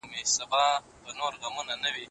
د ټولنیز نظم ساتل د ټولو دنده ده.